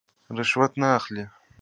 رشوت نه اخلي.